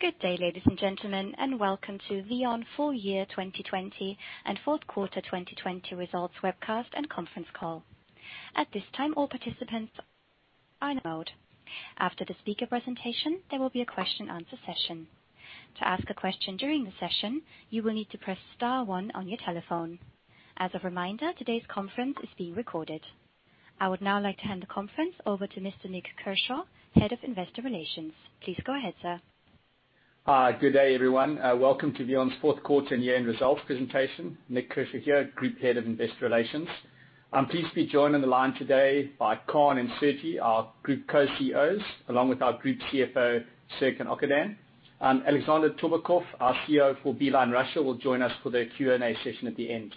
Good day, ladies and gentlemen, welcome to VEON full year 2020 and fourth quarter 2020 results webcast and conference call. At this time all participants are in a listen-only mode. After the speaker presentation, there will be a question answer session. To ask a question during the session, you will need to press star one on your telephone. As a reminder, today's conference is being recorded. I would now like to hand the conference over to Mr. Nik Kershaw, Head of Investor Relations. Please go ahead, sir. Hi. Good day, everyone. Welcome to VEON's fourth quarter and year-end results presentation. Nik Kershaw here, Group Head of Investor Relations. I'm pleased to be joined on the line today by Kaan and Sergi, our Group Co-CEOs, along with our Group CFO, Serkan Okandan. Alexander Torbakhov, our CEO for Beeline Russia, will join us for the Q&A session at the end.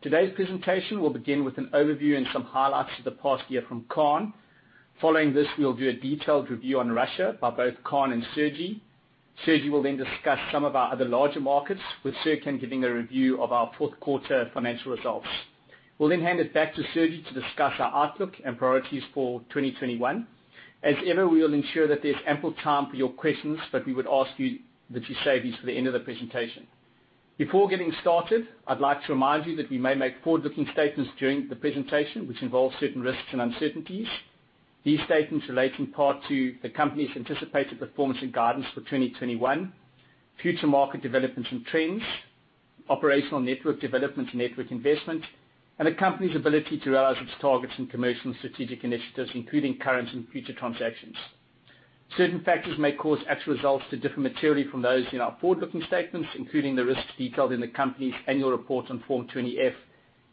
Today's presentation will begin with an overview and some highlights of the past year from Kaan. Following this, we'll do a detailed review on Russia by both Kaan and Sergi. Sergi will then discuss some of our other larger markets, with Serkan giving a review of our fourth quarter financial results. We'll then hand it back to Sergi to discuss our outlook and priorities for 2021. As ever, we will ensure that there's ample time for your questions, but we would ask you that you save these for the end of the presentation. Before getting started, I'd like to remind you that we may make forward-looking statements during the presentation, which involve certain risks and uncertainties. These statements relate in part to the company's anticipated performance and guidance for 2021, future market developments and trends, operational network developments and network investments, and the company's ability to realize its targets and commercial and strategic initiatives, including current and future transactions. Certain factors may cause actual results to differ materially from those in our forward-looking statements, including the risks detailed in the company's annual report on Form 20-F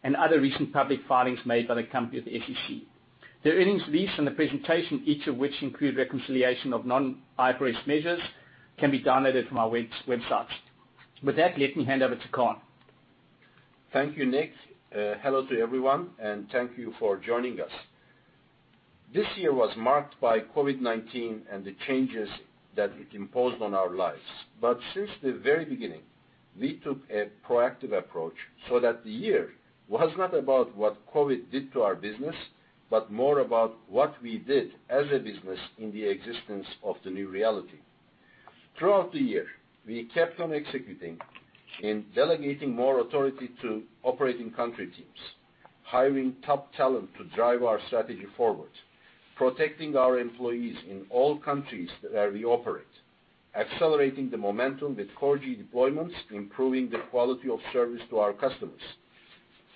and other recent public filings made by the company with the SEC. The earnings release and the presentation, each of which include reconciliation of non-IFRS measures, can be downloaded from our websites. With that, let me hand over to Kaan. Thank you, Nik. Hello to everyone, and thank you for joining us. This year was marked by COVID-19 and the changes that it imposed on our lives. Since the very beginning, we took a proactive approach so that the year was not about what COVID did to our business, but more about what we did as a business in the existence of the new reality. Throughout the year, we kept on executing in delegating more authority to operating country teams, hiring top talent to drive our strategy forward, protecting our employees in all countries that we operate, accelerating the momentum with 4G deployments, improving the quality of service to our customers,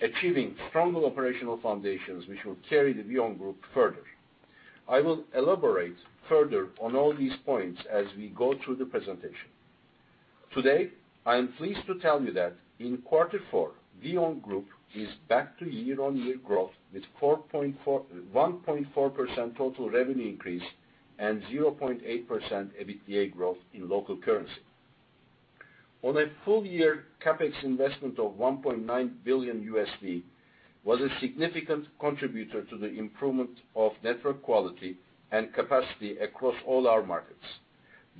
achieving stronger operational foundations which will carry the VEON group further. I will elaborate further on all these points as we go through the presentation. Today, I am pleased to tell you that in quarter four, VEON Group is back to year-on-year growth with 1.4% total revenue increase and 0.8% EBITDA growth in local currency. On a full year, CapEx investment of $1.9 billion was a significant contributor to the improvement of network quality and capacity across all our markets,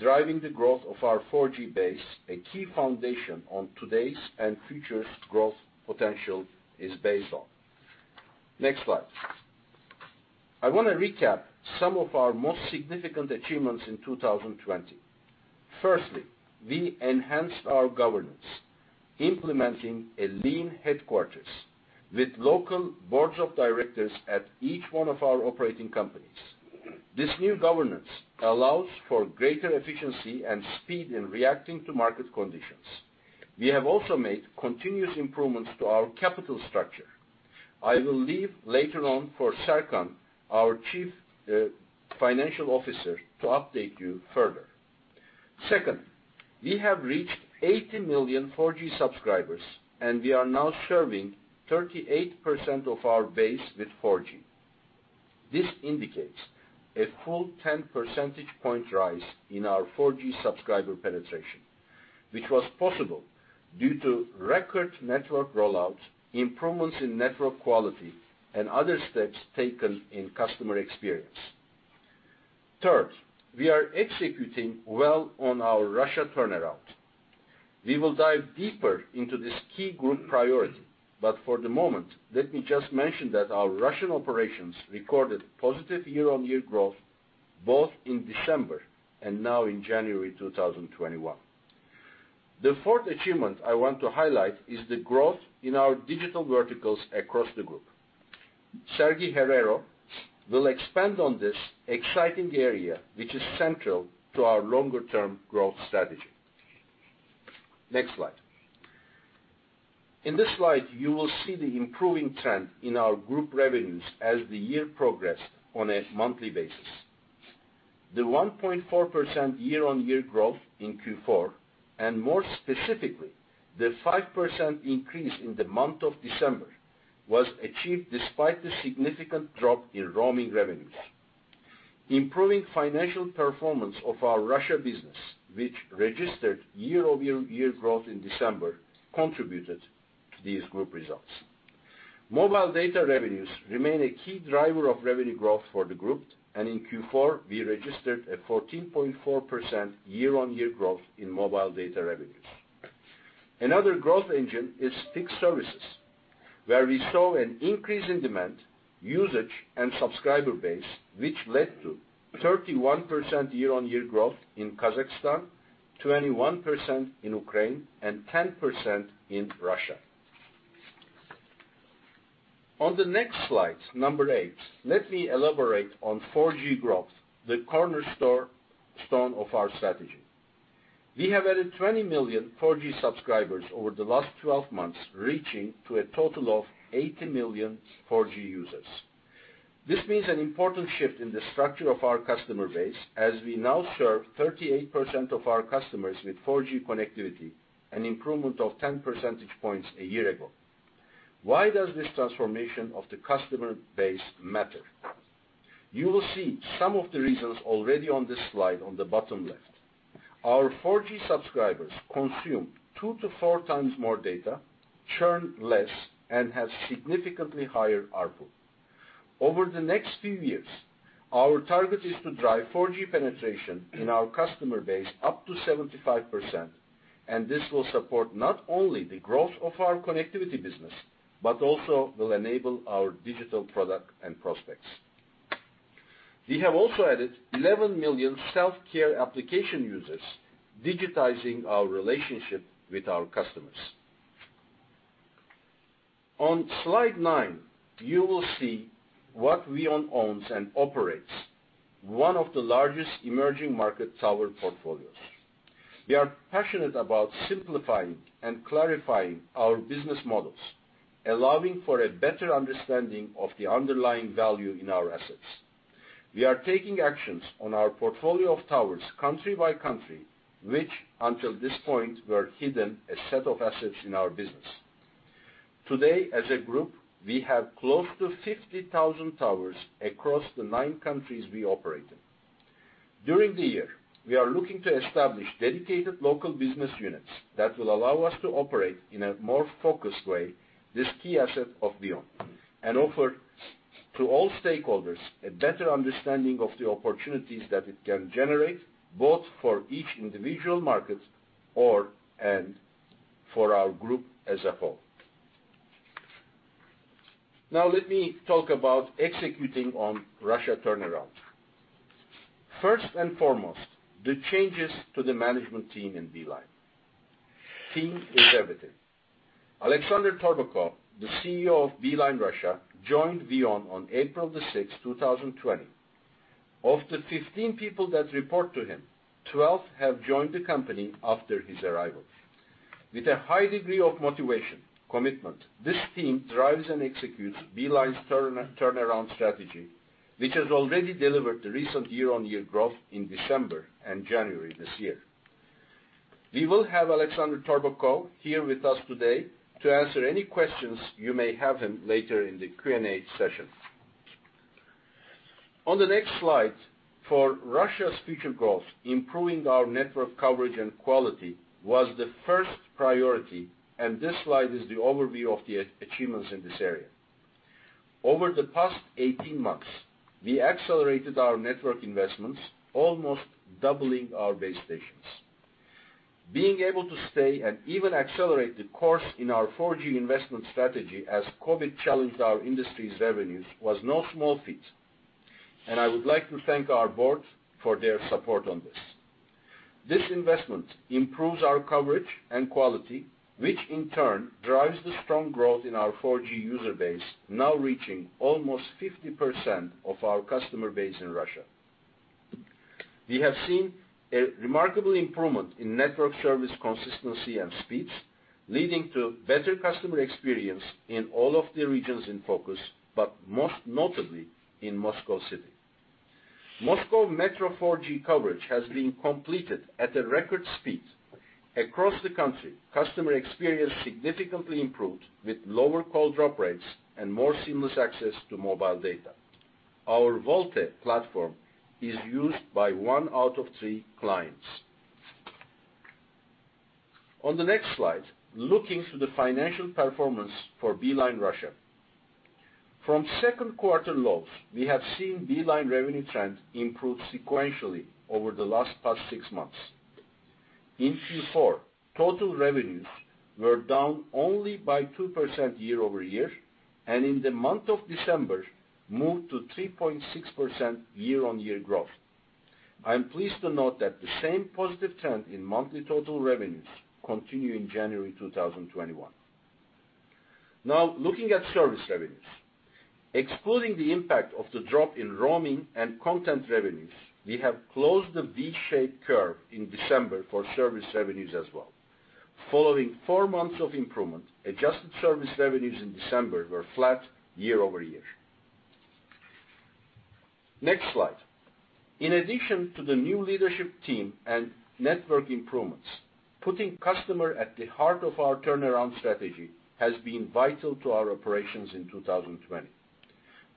driving the growth of our 4G base, a key foundation on today's and future growth potential is based on. Next slide. I want to recap some of our most significant achievements in 2020. Firstly, we enhanced our governance, implementing a lean headquarters with local boards of directors at each one of our operating companies. This new governance allows for greater efficiency and speed in reacting to market conditions. We have also made continuous improvements to our capital structure. I will leave later on for Serkan, our Chief Financial Officer, to update you further. Second, we have reached 80 million 4G subscribers, and we are now serving 38% of our base with 4G. This indicates a full 10 percentage point rise in our 4G subscriber penetration, which was possible due to record network rollout, improvements in network quality, and other steps taken in customer experience. Third, we are executing well on our Russia turnaround. We will dive deeper into this key group priority, but for the moment, let me just mention that our Russian operations recorded positive year-on-year growth both in December and now in January 2021. The fourth achievement I want to highlight is the growth in our digital verticals across the group. Sergi Herrero will expand on this exciting area, which is central to our longer term growth strategy. Next slide. In this slide, you will see the improving trend in our group revenues as the year progressed on a monthly basis. The 1.4% year-on-year growth in Q4, and more specifically, the 5% increase in the month of December, was achieved despite the significant drop in roaming revenues. Improving financial performance of our Russia business, which registered year-over-year growth in December, contributed to these group results. Mobile data revenues remain a key driver of revenue growth for the group, and in Q4, we registered a 14.4% year-on-year growth in mobile data revenues. Another growth engine is fixed services, where we saw an increase in demand, usage, and subscriber base, which led to 31% year-on-year growth in Kazakhstan, 21% in Ukraine, and 10% in Russia. On the next slide, number eight, let me elaborate on 4G growth, the cornerstone of our strategy. We have added 20 million 4G subscribers over the last 12 months, reaching to a total of 80 million 4G users. This means an important shift in the structure of our customer base, as we now serve 38% of our customers with 4G connectivity, an improvement of 10 percentage points a year ago. Why does this transformation of the customer base matter? You will see some of the reasons already on this slide on the bottom left. Our 4G subscribers consume two to four times more data, churn less, and have significantly higher ARPU. Over the next few years, our target is to drive 4G penetration in our customer base up to 75%, and this will support not only the growth of our connectivity business but also will enable our digital product and prospects. We have also added 11 million self-care application users, digitizing our relationship with our customers. On slide nine, you will see what VEON owns and operates, one of the largest emerging market tower portfolios. We are passionate about simplifying and clarifying our business models, allowing for a better understanding of the underlying value in our assets. We are taking actions on our portfolio of towers country by country, which until this point were hidden a set of assets in our business. Today, as a group, we have close to 50,000 towers across the nine countries we operate in. During the year, we are looking to establish dedicated local business units that will allow us to operate in a more focused way this key asset of VEON, and offer to all stakeholders a better understanding of the opportunities that it can generate, both for each individual market or/and for our group as a whole. Now let me talk about executing on Russia turnaround. First and foremost, the changes to the management team in Beeline. Team is everything. Alexander Torbakhov, the CEO of Beeline Russia, joined VEON on April 6, 2020. Of the 15 people that report to him, 12 have joined the company after his arrival. With a high degree of motivation, commitment, this team drives and executes Beeline's turnaround strategy, which has already delivered the recent year-on-year growth in December and January this year. We will have Alexander Torbakhov here with us today to answer any questions you may have him later in the Q&A session. On the next slide, for Russia's future growth, improving our network coverage and quality was the first priority, and this slide is the overview of the achievements in this area. Over the past 18 months, we accelerated our network investments, almost doubling our base stations. Being able to stay and even accelerate the course in our 4G investment strategy as COVID challenged our industry's revenues was no small feat, and I would like to thank our board for their support on this. This investment improves our coverage and quality, which in turn drives the strong growth in our 4G user base, now reaching almost 50% of our customer base in Russia. We have seen a remarkable improvement in network service consistency and speeds, leading to better customer experience in all of the regions in focus, but most notably in Moscow City. Moscow Metro 4G coverage has been completed at a record speed. Across the country, customer experience significantly improved with lower call drop rates and more seamless access to mobile data. Our VoLTE platform is used by one out of three clients. On the next slide, looking to the financial performance for Beeline Russia. From second quarter lows, we have seen Beeline revenue trend improve sequentially over the last past six months. In Q4, total revenues were down only by 2% year-over-year, and in the month of December, moved to 3.6% year-on-year growth. I am pleased to note that the same positive trend in monthly total revenues continue in January 2021. Now looking at service revenues. Excluding the impact of the drop in roaming and content revenues, we have closed the V-shaped curve in December for service revenues as well. Following four months of improvement, adjusted service revenues in December were flat year-over-year. Next slide. In addition to the new leadership team and network improvements, putting customer at the heart of our turnaround strategy has been vital to our operations in 2020.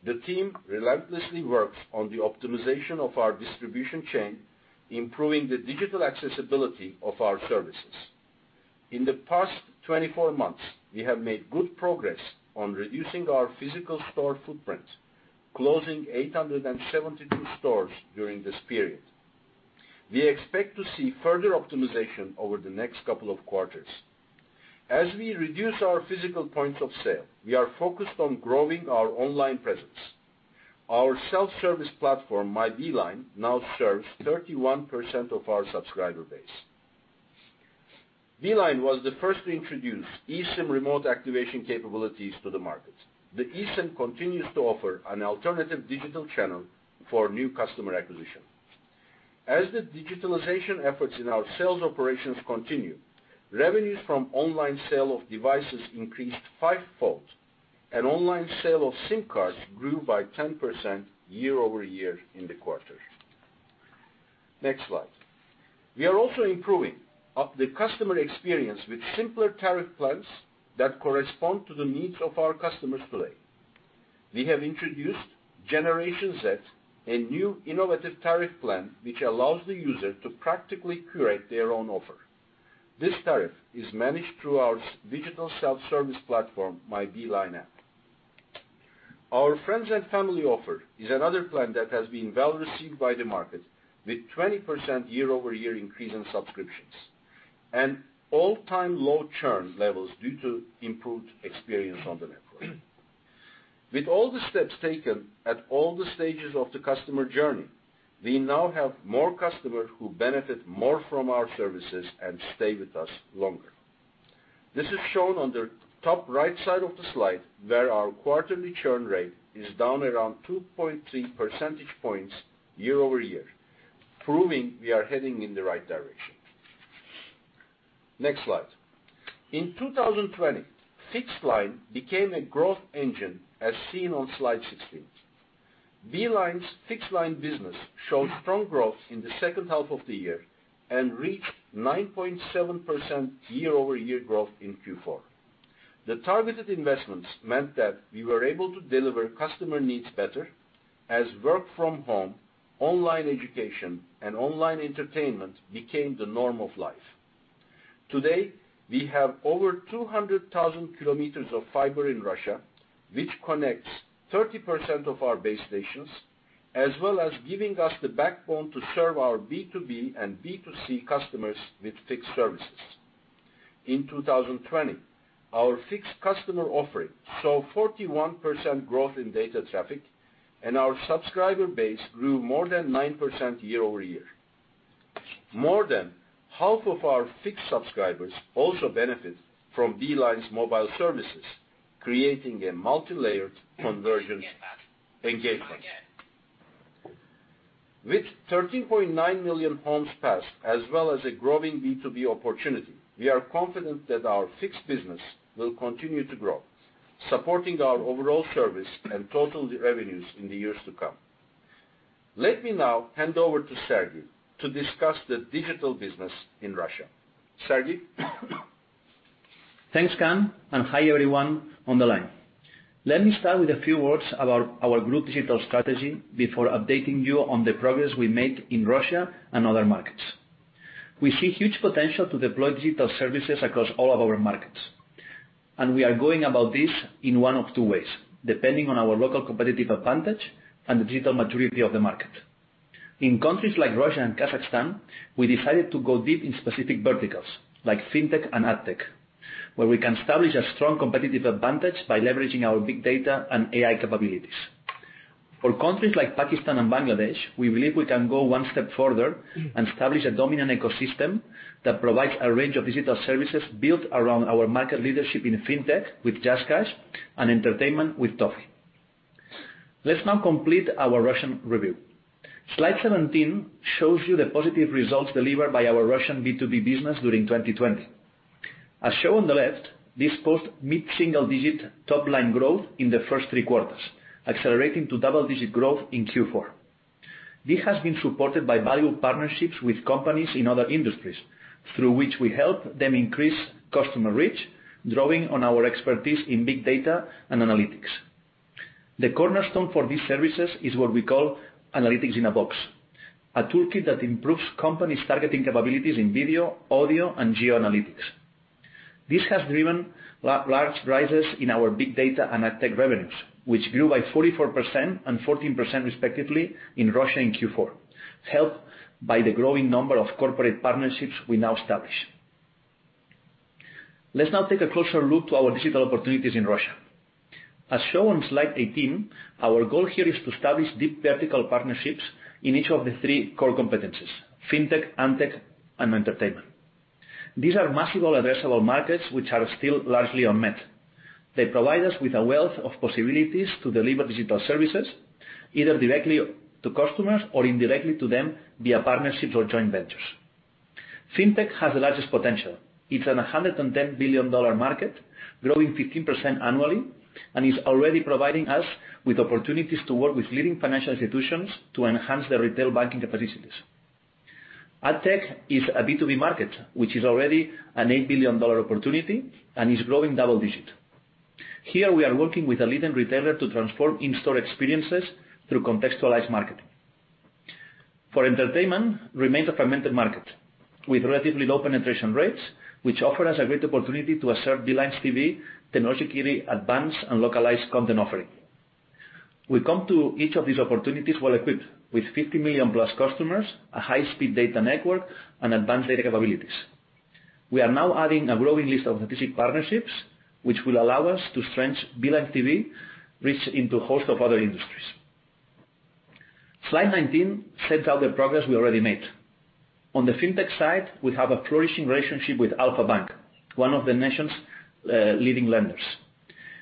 The team relentlessly works on the optimization of our distribution chain, improving the digital accessibility of our services. In the past 24 months, we have made good progress on reducing our physical store footprint, closing 872 stores during this period. We expect to see further optimization over the next couple of quarters. As we reduce our physical points of sale, we are focused on growing our online presence. Our self-service platform, My Beeline, now serves 31% of our subscriber base. Beeline was the first to introduce eSIM remote activation capabilities to the market. The eSIM continues to offer an alternative digital channel for new customer acquisition. As the digitalization efforts in our sales operations continue, revenues from online sale of devices increased five-fold, and online sale of SIM cards grew by 10% year-over-year in the quarter. Next slide. We are also improving the customer experience with simpler tariff plans that correspond to the needs of our customers today. We have introduced Generation Z, a new innovative tariff plan, which allows the user to practically curate their own offer. This tariff is managed through our digital self-service platform, My Beeline app. Our friends and family offer is another plan that has been well received by the market, with 20% year-over-year increase in subscriptions, and all-time low churn levels due to improved experience on the network. With all the steps taken at all the stages of the customer journey, we now have more customers who benefit more from our services and stay with us longer. This is shown on the top right side of the slide, where our quarterly churn rate is down around 2.3 percentage points year-over-year, proving we are heading in the right direction. Next slide. In 2020, fixed line became a growth engine as seen on slide 16. Beeline's fixed line business showed strong growth in the second half of the year and reached 9.7% year-over-year growth in Q4. The targeted investments meant that we were able to deliver customer needs better as work from home, online education, and online entertainment became the norm of life. Today, we have over 200,000 km of fiber in Russia, which connects 30% of our base stations, as well as giving us the backbone to serve our B2B and B2C customers with fixed services. In 2020, our fixed customer offering saw 41% growth in data traffic, and our subscriber base grew more than 9% year-over-year. More than half of our fixed subscribers also benefit from Beeline's mobile services, creating a multilayered conversion engagement. With 13.9 million homes passed, as well as a growing B2B opportunity, we are confident that our fixed business will continue to grow, supporting our overall service and total revenues in the years to come. Let me now hand over to Sergi to discuss the digital business in Russia. Sergi? Thanks, Kaan, and hi, everyone on the line. Let me start with a few words about our group digital strategy before updating you on the progress we made in Russia and other markets. We see huge potential to deploy digital services across all of our markets, and we are going about this in one of two ways, depending on our local competitive advantage and the digital maturity of the market. In countries like Russia and Kazakhstan, we decided to go deep in specific verticals, like FinTech and AgTech, where we can establish a strong competitive advantage by leveraging our big data and AI capabilities. For countries like Pakistan and Bangladesh, we believe we can go one step further and establish a dominant ecosystem that provides a range of digital services built around our market leadership in FinTech with JazzCash and entertainment with Toffee. Let's now complete our Russian review. Slide 17 shows you the positive results delivered by our Russian B2B business during 2020. As shown on the left, this post mid-single digit top-line growth in the first three quarters, accelerating to double-digit growth in Q4. This has been supported by valuable partnerships with companies in other industries, through which we help them increase customer reach, drawing on our expertise in big data and analytics. The cornerstone for these services is what we call analytics-in-a-box, a toolkit that improves companies targeting capabilities in video, audio, and geoanalytics. This has driven large rises in our big data and AdTech revenues, which grew by 44% and 14%, respectively, in Russia in Q4, helped by the growing number of corporate partnerships we now establish. Let's now take a closer look to our digital opportunities in Russia. As shown on slide 18, our goal here is to establish deep vertical partnerships in each of the three core competencies, FinTech, AdTech, and entertainment. These are massive addressable markets which are still largely unmet. They provide us with a wealth of possibilities to deliver digital services, either directly to customers or indirectly to them via partnerships or joint ventures. FinTech has the largest potential. It's a $110 billion market, growing 15% annually, and is already providing us with opportunities to work with leading financial institutions to enhance their retail banking capacities. AdTech is a B2B market, which is already an $8 billion opportunity and is growing double digit. Here we are working with a leading retailer to transform in-store experiences through contextualized marketing. For entertainment, remains a fragmented market with relatively low penetration rates, which offer us a great opportunity to assert Beeline's TV technology advanced and localized content offering. We come to each of these opportunities well-equipped with 50 million+ customers, a high-speed data network, and advanced data capabilities. We are now adding a growing list of strategic partnerships, which will allow us to strengthen Beeline TV reach into a host of other industries. Slide 19 sets out the progress we already made. On the FinTech side, we have a flourishing relationship with Alfa-Bank, one of the nation's leading lenders.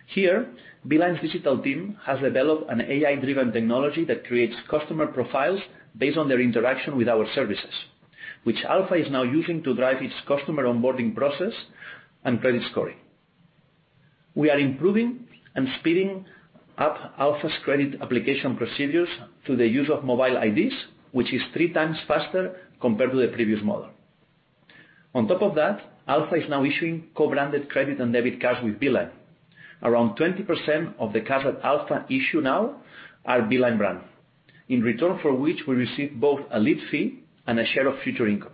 Here, Beeline's digital team has developed an AI-driven technology that creates customer profiles based on their interaction with our services, which Alfa is now using to drive its customer onboarding process and credit scoring. We are improving and speeding up Alfa's credit application procedures through the use of mobile IDs, which is three times faster compared to the previous model. On top of that, Alfa is now issuing co-branded credit and debit cards with Beeline. Around 20% of the cards that Alfa issue now are Beeline brand. In return for which, we receive both a lead fee and a share of future income.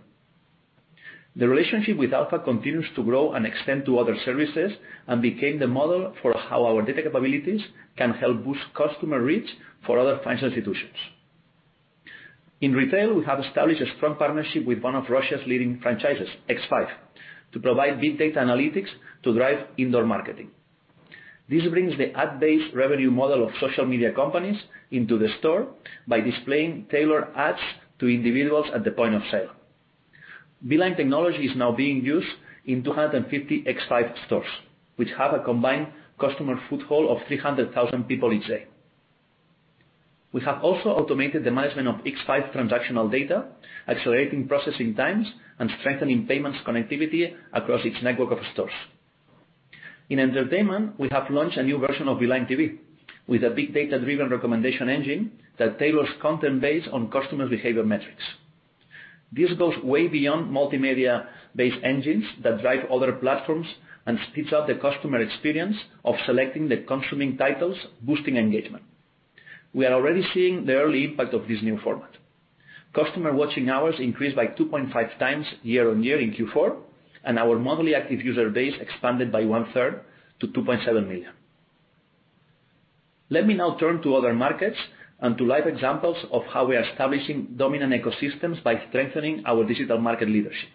The relationship with Alfa continues to grow and extend to other services and became the model for how our data capabilities can help boost customer reach for other financial institutions. In retail, we have established a strong partnership with one of Russia's leading franchises, X5, to provide big data analytics to drive indoor marketing. This brings the ad-based revenue model of social media companies into the store by displaying tailored ads to individuals at the point of sale. Beeline technology is now being used in 250 X5 stores, which have a combined customer foothold of 300,000 people each day. We have also automated the management of X5 transactional data, accelerating processing times, and strengthening payments connectivity across its network of stores. In entertainment, we have launched a new version of Beeline TV with a big data-driven recommendation engine that tailors content based on customer behavior metrics. This goes way beyond multimedia-based engines that drive other platforms and speeds up the customer experience of selecting the consuming titles, boosting engagement. We are already seeing the early impact of this new format. Customer watching hours increased by 2.5 times year on year in Q4, and our monthly active user base expanded by 1/3 to 2.7 million. Let me now turn to other markets and to live examples of how we are establishing dominant ecosystems by strengthening our digital market leadership.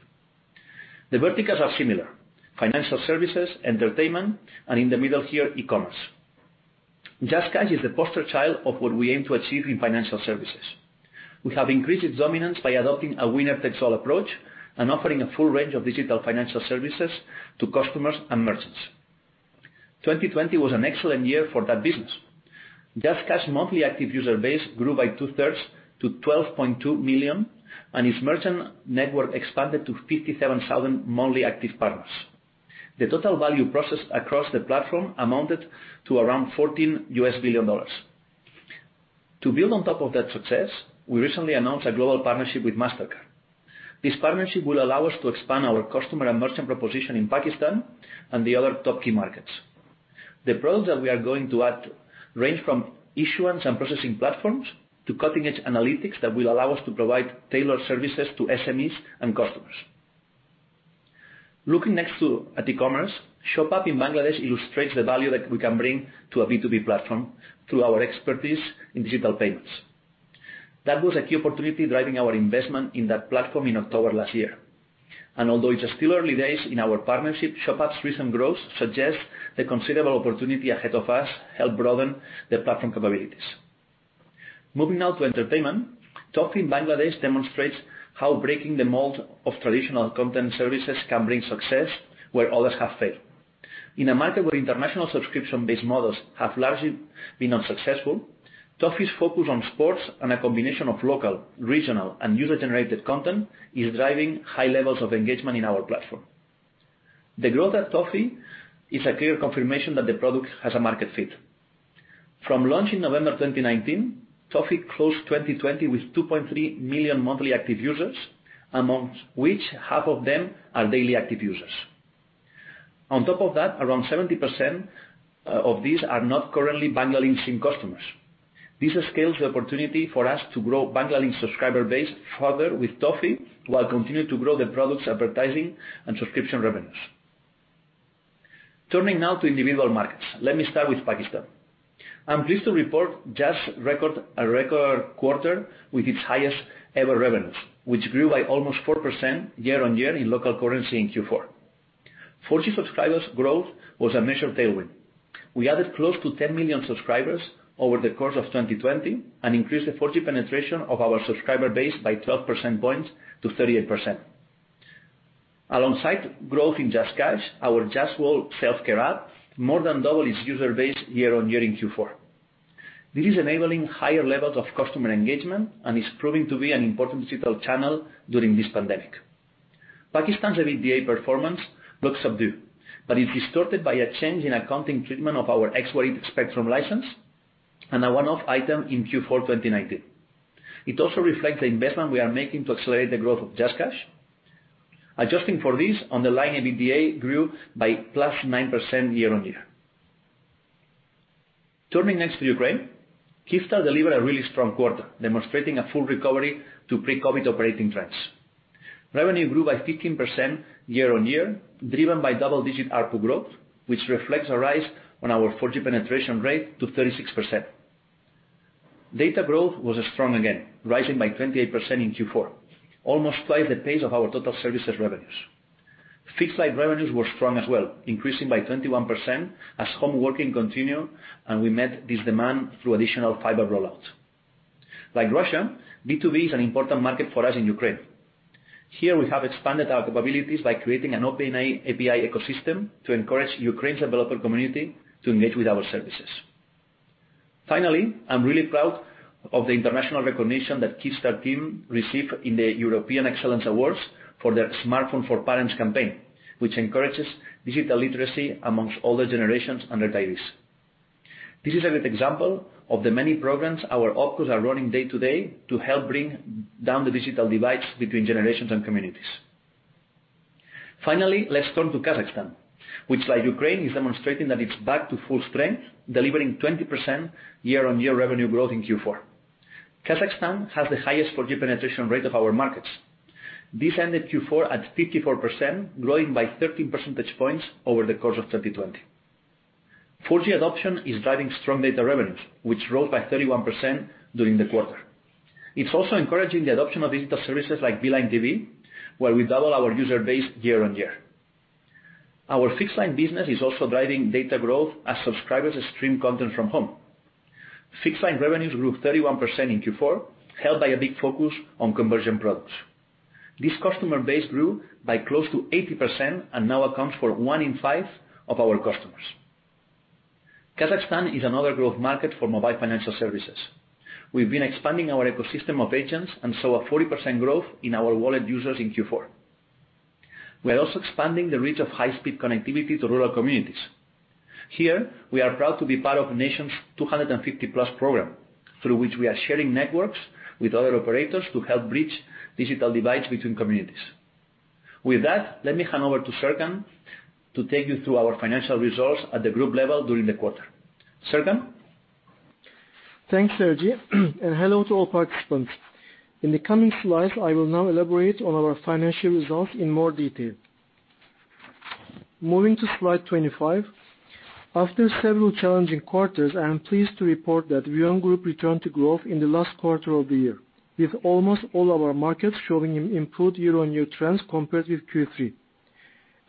The verticals are similar: financial services, entertainment, and in the middle here, e-commerce. JazzCash is the poster child of what we aim to achieve in financial services. We have increased its dominance by adopting a winner-takes-all approach and offering a full range of digital financial services to customers and merchants. 2020 was an excellent year for that business. JazzCash monthly active user base grew by 2/3 to 12.2 million, and its merchant network expanded to 57,000 monthly active partners. The total value processed across the platform amounted to around $14 billion. To build on top of that success, we recently announced a global partnership with Mastercard. This partnership will allow us to expand our customer and merchant proposition in Pakistan and the other top key markets. The products that we are going to add range from issuance and processing platforms to cutting-edge analytics that will allow us to provide tailored services to SMEs and customers. Looking next at e-commerce, ShopUp in Bangladesh illustrates the value that we can bring to a B2B platform through our expertise in digital payments. That was a key opportunity driving our investment in that platform in October last year. Although it's still early days in our partnership, ShopUp's recent growth suggests the considerable opportunity ahead of us help broaden the platform capabilities. Moving now to entertainment, Toffee in Bangladesh demonstrates how breaking the mold of traditional content services can bring success where others have failed. In a market where international subscription-based models have largely been unsuccessful, Toffee's focus on sports and a combination of local, regional, and user-generated content is driving high levels of engagement in our platform. The growth at Toffee is a clear confirmation that the product has a market fit. From launch in November 2019, Toffee closed 2020 with 2.3 million monthly active users, amongst which half of them are daily active users. On top of that, around 70% of these are not currently Banglalink SIM customers. This scales the opportunity for us to grow Banglalink subscriber base further with Toffee while continuing to grow the product's advertising and subscription revenues. Turning now to individual markets. Let me start with Pakistan. I am pleased to report JazzCash record a record quarter with its highest-ever revenues, which grew by almost 4% year-on-year in local currency in Q4. 4G subscribers growth was a major tailwind. We added close to 10 million subscribers over the course of 2020 and increased the 4G penetration of our subscriber base by 12% points to 38%. Alongside growth in JazzCash, our Jazz World self-care app more than doubled its user base year-over-year in Q4. This is enabling higher levels of customer engagement and is proving to be an important digital channel during this pandemic. Pakistan's EBITDA performance looks subdued, but is distorted by a change in accounting treatment of our expired spectrum license and a one-off item in Q4 2019. It also reflects the investment we are making to accelerate the growth of JazzCash. Adjusting for this, underlying EBITDA grew by +9% year-over-year. Turning next to Ukraine. Kyivstar delivered a really strong quarter, demonstrating a full recovery to pre-COVID operating trends. Revenue grew by 15% year-on-year, driven by double-digit ARPU growth, which reflects a rise on our 4G penetration rate to 36%. Data growth was strong again, rising by 28% in Q4, almost twice the pace of our total services revenues. Fixed line revenues were strong as well, increasing by 21% as home working continued, and we met this demand through additional fiber rollouts. Like Russia, B2B is an important market for us in Ukraine. Here we have expanded our capabilities by creating an open API ecosystem to encourage Ukraine's developer community to engage with our services. Finally, I'm really proud of the international recognition that Kyivstar team received in the European Excellence Awards for their Smartphone for Parents campaign, which encourages digital literacy amongst older generations and retirees. This is a good example of the many programs our opcos are running day to day to help bring down the digital divides between generations and communities. Let's turn to Kazakhstan, which like Ukraine, is demonstrating that it's back to full strength, delivering 20% year-on-year revenue growth in Q4. Kazakhstan has the highest 4G penetration rate of our markets. This ended Q4 at 54%, growing by 13 percentage points over the course of 2020. 4G adoption is driving strong data revenues, which rose by 31% during the quarter. It's also encouraging the adoption of digital services like Beeline TV, where we double our user base year-on-year. Our fixed line business is also driving data growth as subscribers stream content from home. Fixed line revenues grew 31% in Q4, helped by a big focus on conversion products. This customer base grew by close to 80% and now accounts for one in five of our customers. Kazakhstan is another growth market for mobile financial services. We've been expanding our ecosystem of agents and saw a 40% growth in our wallet users in Q4. We are also expanding the reach of high-speed connectivity to rural communities. Here, we are proud to be part of the nation's 250+ program, through which we are sharing networks with other operators to help bridge digital divides between communities. With that, let me hand over to Serkan to take you through our financial results at the group level during the quarter. Serkan? Thanks, Sergi, and hello to all participants. In the coming slides, I will now elaborate on our financial results in more detail. Moving to slide 25, after several challenging quarters, I am pleased to report that VEON group returned to growth in the last quarter of the year, with almost all our markets showing improved year-on-year trends compared with Q3.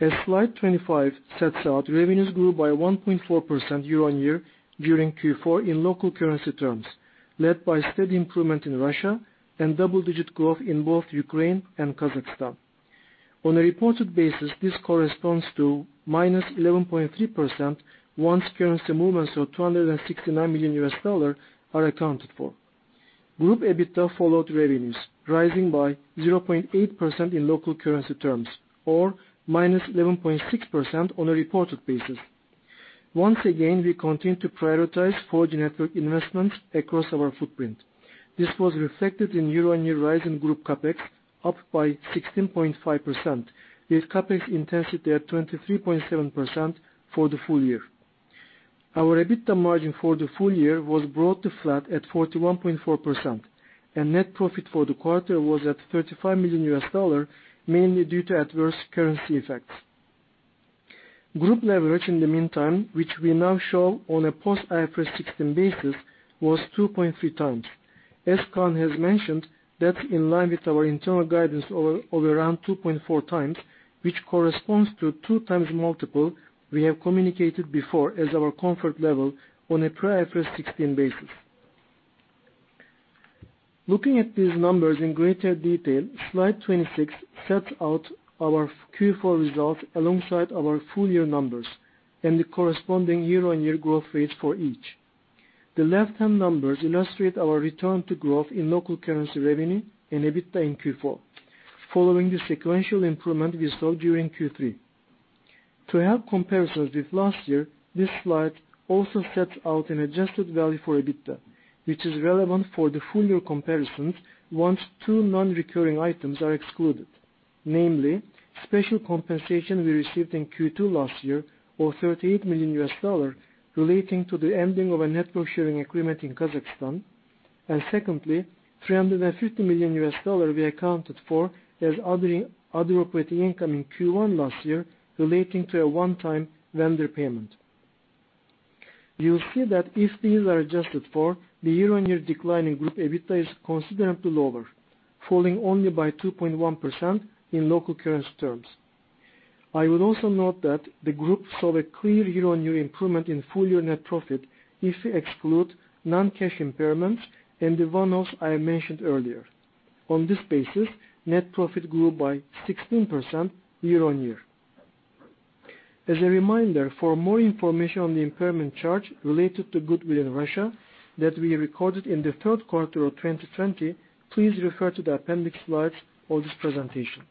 As slide 25 sets out, revenues grew by 1.4% year-on-year during Q4 in local currency terms, led by steady improvement in Russia and double-digit growth in both Ukraine and Kazakhstan. On a reported basis, this corresponds to -11.3% once currency movements of $269 million are accounted for. Group EBITDA followed revenues, rising by 0.8% in local currency terms, or -11.6% on a reported basis. Once again, we continue to prioritize 4G network investments across our footprint. This was reflected in year-on-year rise in group CapEx, up by 16.5%, with CapEx intensity at 23.7% for the full year. Our EBITDA margin for the full year was broadly flat at 41.4%, and net profit for the quarter was at $35 million, mainly due to adverse currency effects. Group leverage in the meantime, which we now show on a post IFRS 16 basis, was 2.3 times. As Kaan has mentioned, that's in line with our internal guidance of around 2.4 times, which corresponds to two times multiple we have communicated before as our comfort level on a pre-IFRS 16 basis. Looking at these numbers in greater detail, slide 26 sets out our Q4 results alongside our full year numbers and the corresponding year-on-year growth rates for each. The left-hand numbers illustrate our return to growth in local currency revenue and EBITDA in Q4, following the sequential improvement we saw during Q3. To help comparisons with last year, this slide also sets out an adjusted value for EBITDA, which is relevant for the full year comparisons once two non-recurring items are excluded. Namely, special compensation we received in Q2 last year of $38 million relating to the ending of a network sharing agreement in Kazakhstan. Secondly, $350 million we accounted for as other operating income in Q1 last year relating to a one-time vendor payment. You'll see that if these are adjusted for, the year-on-year decline in group EBITDA is considerably lower, falling only by 2.1% in local currency terms. I would also note that the group saw a clear year-on-year improvement in full year net profit if we exclude non-cash impairments and the one-offs I mentioned earlier. On this basis, net profit grew by 16% year-on-year. As a reminder, for more information on the impairment charge related to goodwill in Russia that we recorded in the third quarter of 2020, please refer to the appendix slides for this presentation.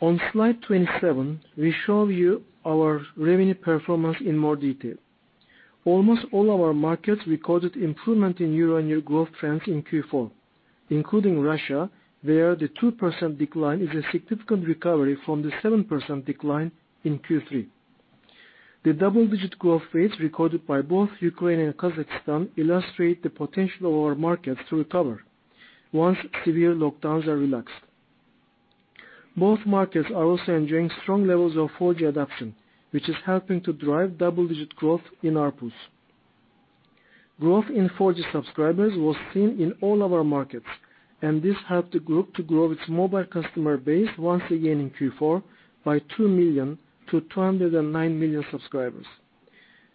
On slide 27, we show you our revenue performance in more detail. Almost all our markets recorded improvement in year-on-year growth trends in Q4, including Russia, where the 2% decline is a significant recovery from the 7% decline in Q3. The double-digit growth rates recorded by both Ukraine and Kazakhstan illustrate the potential of our markets to recover once severe lockdowns are relaxed. Both markets are also enjoying strong levels of 4G adoption, which is helping to drive double-digit growth in ARPUs. Growth in 4G subscribers was seen in all of our markets, and this helped the group to grow its mobile customer base once again in Q4 by 2 million to 209 million subscribers,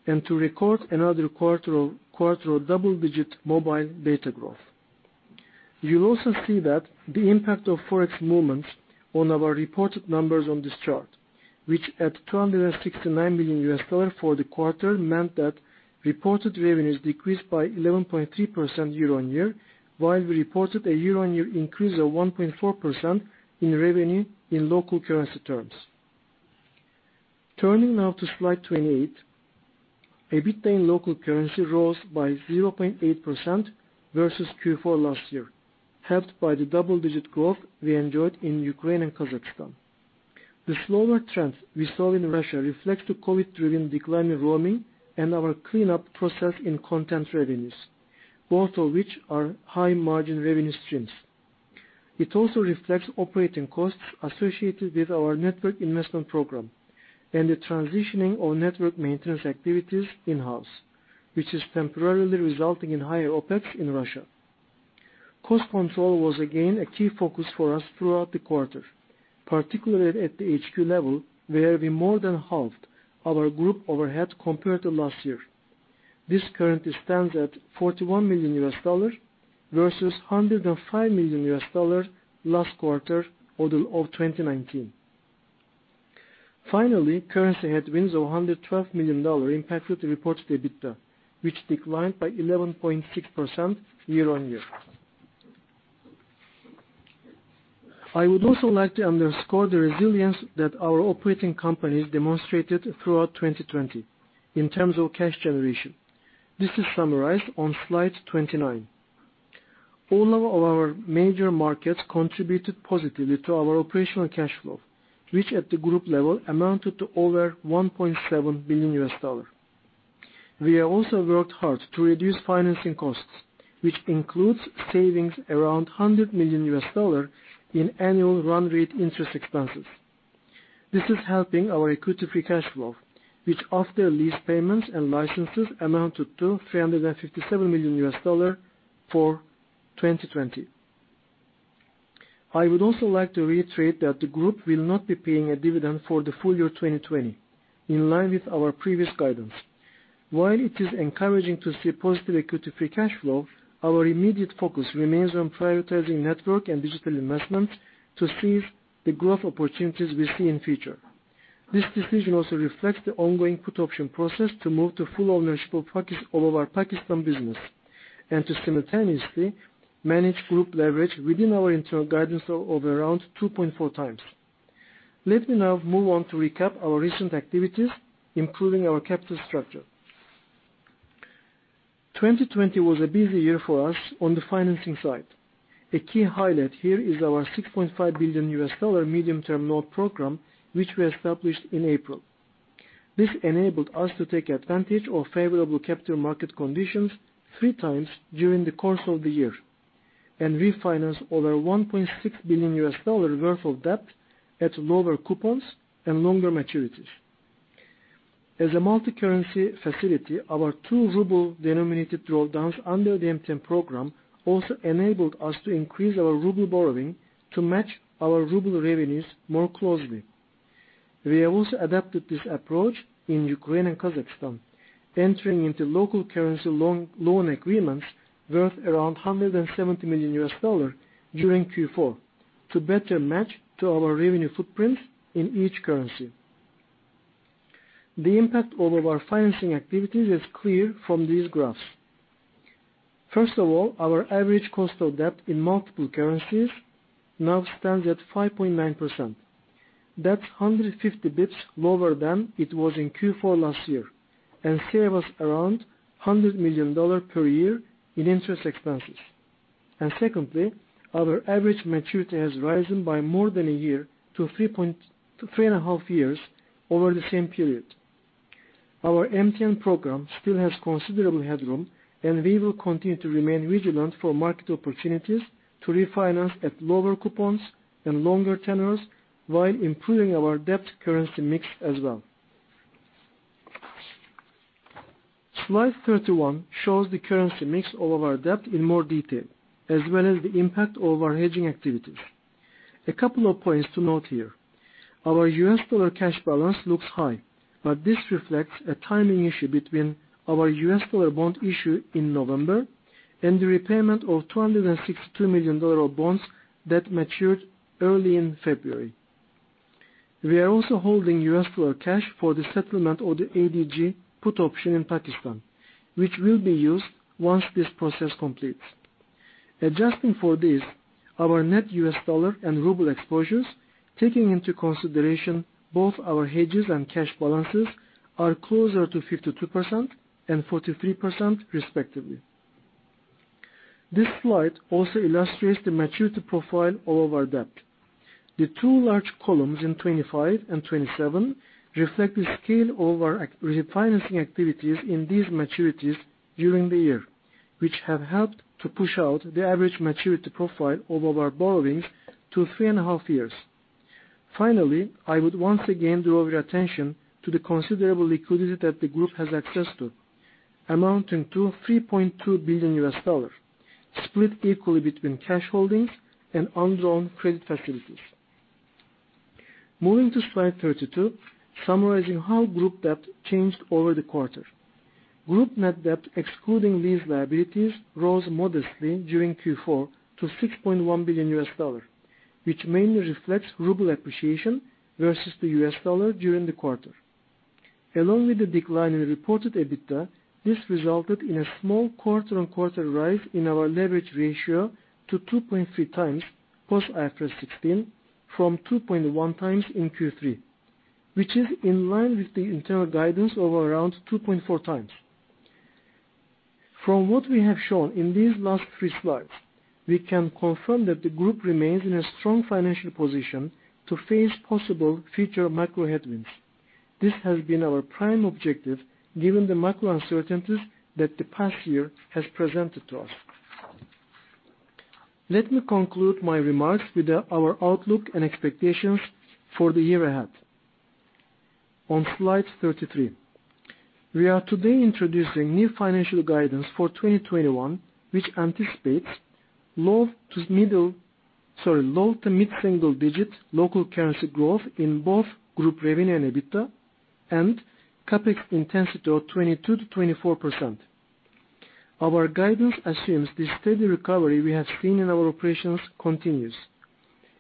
and to record another quarter of double-digit mobile data growth. You'll also see that the impact of Forex movements on our reported numbers on this chart, which at $269 million for the quarter, meant that reported revenues decreased by 11.3% year-on-year, while we reported a year-on-year increase of 1.4% in revenue in local currency terms. Turning now to slide 28. EBITDA in local currency rose by 0.8% versus Q4 last year, helped by the double-digit growth we enjoyed in Ukraine and Kazakhstan. The slower trends we saw in Russia reflect the COVID-driven decline in roaming and our cleanup process in content revenues, both of which are high margin revenue streams. It also reflects operating costs associated with our network investment program and the transitioning of network maintenance activities in-house, which is temporarily resulting in higher OpEx in Russia. Cost control was again a key focus for us throughout the quarter, particularly at the HQ level, where we more than halved our group overhead compared to last year. This currently stands at $41 million versus $105 million last quarter of 2019. Finally, currency headwinds of $112 million impacted the reported EBITDA, which declined by 11.6% year-on-year. I would also like to underscore the resilience that our operating companies demonstrated throughout 2020 in terms of cash generation. This is summarized on slide 29. All of our major markets contributed positively to our operational cash flow, which at the group level amounted to over $1.7 billion. We have also worked hard to reduce financing costs, which includes savings around $100 million in annual run rate interest expenses. This is helping our equity free cash flow, which after lease payments and licenses amounted to $357 million for 2020. I would also like to reiterate that the group will not be paying a dividend for the full year 2020, in line with our previous guidance. While it is encouraging to see positive equity free cash flow, our immediate focus remains on prioritizing network and digital investments to seize the growth opportunities we see in future. This decision also reflects the ongoing put option process to move to full ownership of our Pakistan business, and to simultaneously manage group leverage within our internal guidance of around 2.4 times. Let me now move on to recap our recent activities, including our capital structure. 2020 was a busy year for us on the financing side. A key highlight here is our $6.5 billion medium-term note program, which we established in April. This enabled us to take advantage of favorable capital market conditions three times during the course of the year, and refinance over $1.6 billion worth of debt at lower coupons and longer maturities. As a multicurrency facility, our two ruble-denominated drawdowns under the MTN program also enabled us to increase our ruble borrowing to match our ruble revenues more closely. We have also adapted this approach in Ukraine and Kazakhstan, entering into local currency loan agreements worth around $170 million during Q4 to better match to our revenue footprint in each currency. The impact of our financing activities is clear from these graphs. First of all, our average cost of debt in multiple currencies now stands at 5.9%. That's 150 basis points lower than it was in Q4 last year and save us around $100 million per year in interest expenses. Secondly, our average maturity has risen by more than one year to three and a half years over the same period. Our MTN program still has considerable headroom, and we will continue to remain vigilant for market opportunities to refinance at lower coupons and longer tenors while improving our debt currency mix as well. Slide 31 shows the currency mix of our debt in more detail, as well as the impact of our hedging activities. A couple of points to note here. Our US dollar cash balance looks high, but this reflects a timing issue between our US dollar bond issue in November and the repayment of $262 million of bonds that matured early in February. We are also holding US dollar cash for the settlement of the ADG put option in Pakistan, which will be used once this process completes. Adjusting for this, our net US dollar and ruble exposures, taking into consideration both our hedges and cash balances, are closer to 52% and 43% respectively. This slide also illustrates the maturity profile of our debt. The two large columns in 2025 and 2027 reflect the scale of our refinancing activities in these maturities during the year, which have helped to push out the average maturity profile of our borrowings to three and a half years. Finally, I would once again draw your attention to the considerable liquidity that the group has access to, amounting to $3.2 billion, split equally between cash holdings and undrawn credit facilities. Moving to slide 32, summarizing how group debt changed over the quarter. Group net debt, excluding lease liabilities, rose modestly during Q4 to $6.1 billion, which mainly reflects ruble appreciation versus the US dollar during the quarter. Along with the decline in reported EBITDA, this resulted in a small quarter-on-quarter rise in our leverage ratio to 2.3 times, post IFRS 16, from 2.1 times in Q3, which is in line with the internal guidance of around 2.4 times. From what we have shown in these last three slides, we can confirm that the group remains in a strong financial position to face possible future macro headwinds. This has been our prime objective given the macro uncertainties that the past year has presented to us. Let me conclude my remarks with our outlook and expectations for the year ahead. On slide 33. We are today introducing new financial guidance for 2021, which anticipates low to mid-single digit local currency growth in both group revenue and EBITDA, and CapEx intensity of 22%-24%. Our guidance assumes the steady recovery we have seen in our operations continues.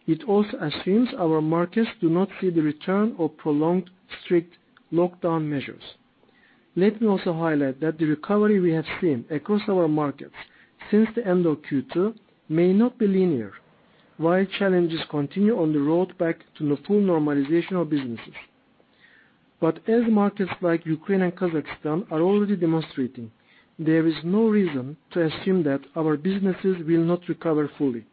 It also assumes our markets do not see the return of prolonged strict lockdown measures. Let me also highlight that the recovery we have seen across our markets since the end of Q2 may not be linear, while challenges continue on the road back to the full normalization of businesses. As markets like Ukraine and Kazakhstan are already demonstrating, there is no reason to assume that our businesses will not recover fully,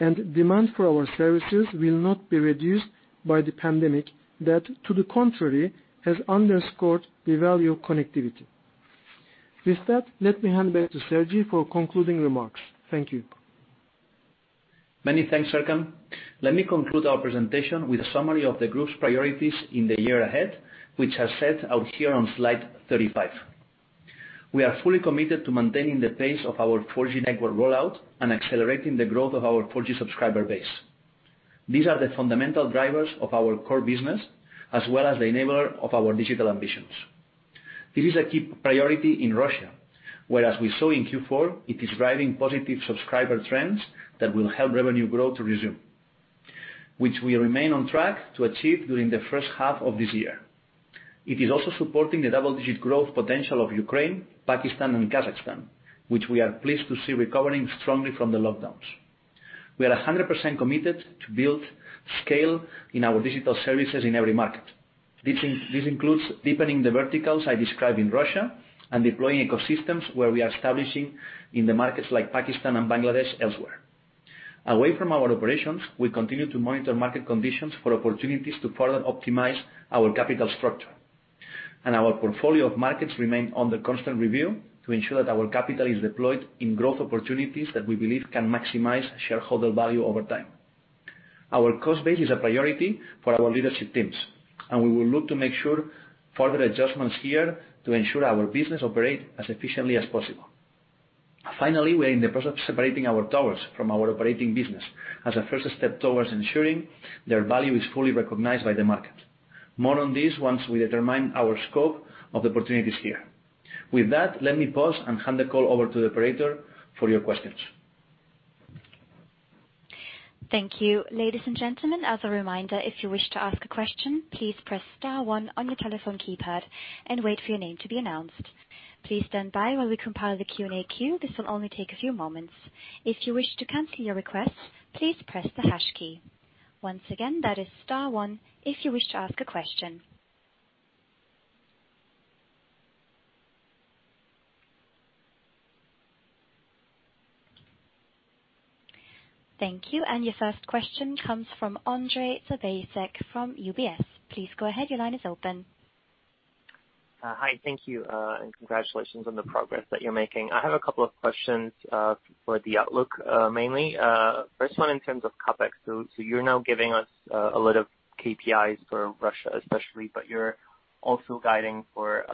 and demand for our services will not be reduced by the pandemic that, to the contrary, has underscored the value of connectivity. With that, let me hand back to Sergi for concluding remarks. Thank you. Many thanks, Serkan. Let me conclude our presentation with a summary of the group's priorities in the year ahead, which are set out here on slide 35. We are fully committed to maintaining the pace of our 4G network rollout and accelerating the growth of our 4G subscriber base. These are the fundamental drivers of our core business, as well as the enabler of our digital ambitions. This is a key priority in Russia, where as we saw in Q4, it is driving positive subscriber trends that will help revenue growth to resume, which we remain on track to achieve during the first half of this year. It is also supporting the double-digit growth potential of Ukraine, Pakistan, and Kazakhstan, which we are pleased to see recovering strongly from the lockdowns. We are 100% committed to build scale in our digital services in every market. This includes deepening the verticals I describe in Russia and deploying ecosystems where we are establishing in the markets like Pakistan and Bangladesh elsewhere. Away from our operations, we continue to monitor market conditions for opportunities to further optimize our capital structure. Our portfolio of markets remain under constant review to ensure that our capital is deployed in growth opportunities that we believe can maximize shareholder value over time. Our cost base is a priority for our leadership teams, and we will look to make sure further adjustments here to ensure our business operate as efficiently as possible. Finally, we are in the process of separating our towers from our operating business as a first step towards ensuring their value is fully recognized by the market. More on this once we determine our scope of the opportunities here. With that, let me pause and hand the call over to the operator for your questions. Thank you. Ladies and gentlemen, as a reminder, if you wish to ask a question, please press star one on your telephone keypad and wait for your name to be announced. Please standby while we compile the Q&A queue, this will only take a few moment. If you wish to cancel your request, please press the hash key. Once again, that is star one if you wish to ask a question. Thank you, Your first question comes from Andrei Tobasic from UBS. Please go ahead. Your line is open. Hi. Thank you, congratulations on the progress that you're making. I have a couple of questions for the outlook, mainly. First one, in terms of CapEx, you're now giving us a lot of KPIs for Russia especially, you're also guiding for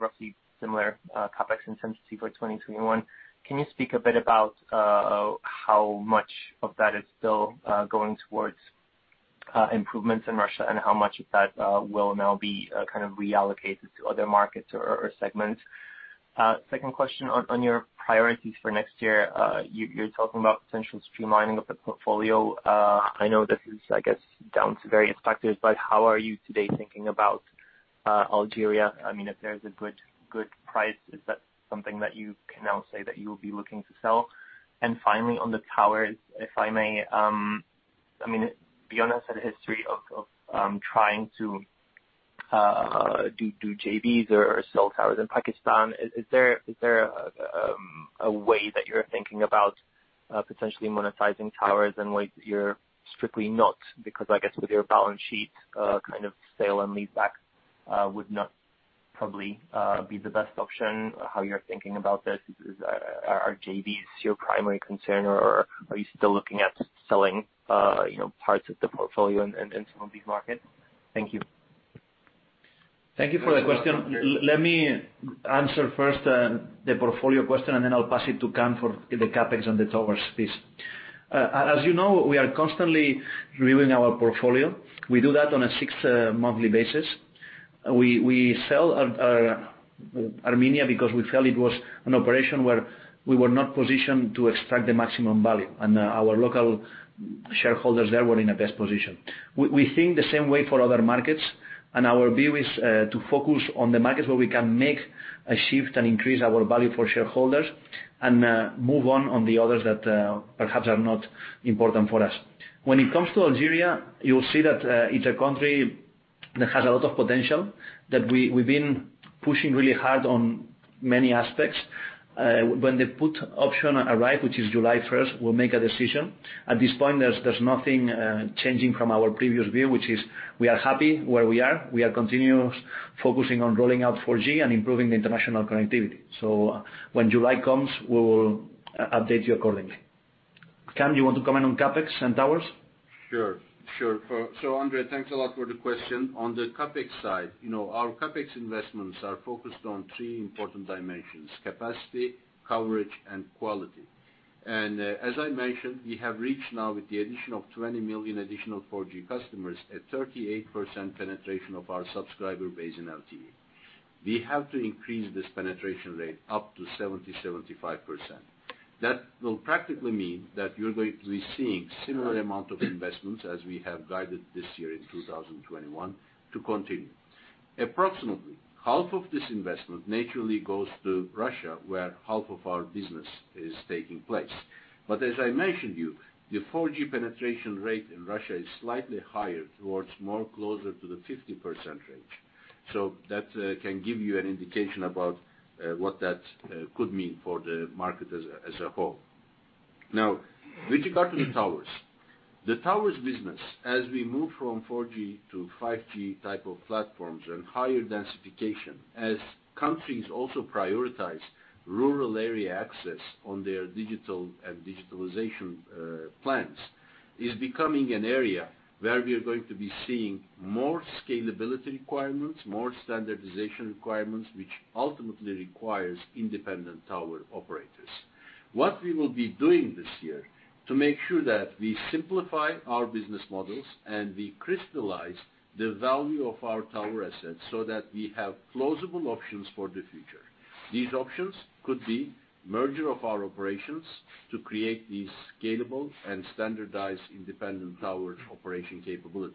roughly similar CapEx intensity for 2021. Can you speak a bit about how much of that is still going towards improvements in Russia, how much of that will now be reallocated to other markets or segments? Second question on your priorities for next year. You're talking about potential streamlining of the portfolio. I know this is, I guess, down to various factors, how are you today thinking about Algeria? If there's a good price, is that something that you can now say that you will be looking to sell? Finally, on the towers, if I may. VEON has had a history of trying to do JVs or sell towers in Pakistan. Is there a way that you're thinking about potentially monetizing towers and ways that you're strictly not? Because I guess with your balance sheet, a kind of sale and lease back would not probably be the best option. How you're thinking about this, are JVs your primary concern or are you still looking at selling parts of the portfolio in some of these markets? Thank you. Thank you for the question. Let me answer first the portfolio question, and then I'll pass it to Kaan for the CapEx and the towers piece. As you know, we are constantly reviewing our portfolio. We do that on a six monthly basis. We sell Armenia because we felt it was an operation where we were not positioned to extract the maximum value, and our local shareholders there were in a best position. We think the same way for other markets, and our view is to focus on the markets where we can make a shift and increase our value for shareholders, and move on on the others that perhaps are not important for us. When it comes to Algeria, you'll see that it's a country that has a lot of potential, that we've been pushing really hard on many aspects. When the put option arrive, which is July 1st, we'll make a decision. At this point, there's nothing changing from our previous view, which is we are happy where we are. We are continuous focusing on rolling out 4G and improving the international connectivity. When July comes, we'll update you accordingly. Kaan, you want to comment on CapEx and towers? Sure. Andrei, thanks a lot for the question. On the CapEx side, our CapEx investments are focused on three important dimensions: capacity, coverage, and quality. As I mentioned, we have reached now, with the addition of 20 million additional 4G customers a 38% penetration of our subscriber base in LTE. We have to increase this penetration rate up to 70%, 75%. That will practically mean that you're going to be seeing similar amount of investments as we have guided this year in 2021 to continue. Approximately half of this investment naturally goes to Russia, where half of our business is taking place. As I mentioned you, the 4G penetration rate in Russia is slightly higher, towards more closer to the 50% range. That can give you an indication about what that could mean for the market as a whole. Now, with regard to towers. The towers business, as we move from 4G to 5G type of platforms and higher densification, as countries also prioritize rural area access on their digital and digitalization plans, is becoming an area where we are going to be seeing more scalability requirements, more standardization requirements, which ultimately requires independent tower operators. What we will be doing this year to make sure that we simplify our business models and we crystallize the value of our tower assets so that we have plausible options for the future. These options could be merger of our operations to create these scalable and standardized independent tower operation capabilities.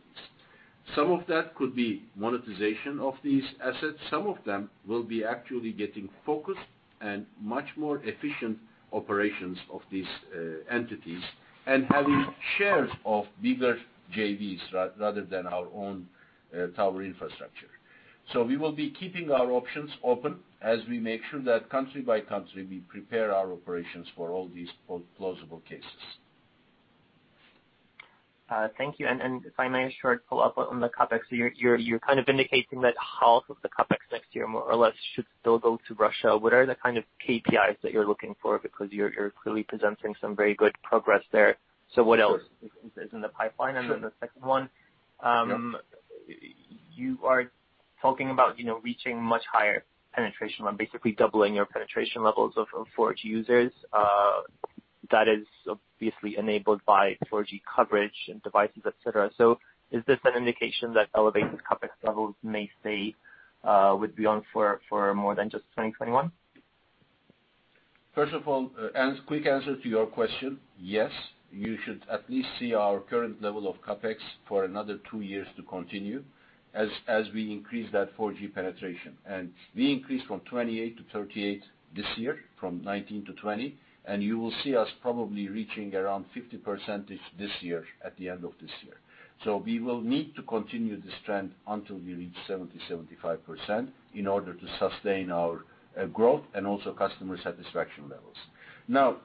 Some of that could be monetization of these assets. Some of them will be actually getting focused and much more efficient operations of these entities and having shares of bigger JVs rather than our own tower infrastructure. We will be keeping our options open as we make sure that country by country, we prepare our operations for all these plausible cases. Thank you. If I may, a short follow-up on the CapEx. You're kind of indicating that half of the CapEx next year, more or less, should still go to Russia. What are the kind of KPIs that you're looking for? You're clearly presenting some very good progress there. What else is in the pipeline? Sure. The second one. Yeah. You are talking about reaching much higher penetration, basically doubling your penetration levels of 4G users. That is obviously enabled by 4G coverage and devices, et cetera. Is this an indication that elevated CapEx levels may stay with VEON for more than just 2021? First of all, quick answer to your question. Yes, you should at least see our current level of CapEx for another two years to continue as we increase that 4G penetration. We increased from 28% to 38% this year, from 19% to 20%, and you will see us probably reaching around 50% this year at the end of this year. We will need to continue this trend until we reach 70%, 75% in order to sustain our growth and also customer satisfaction levels. Now,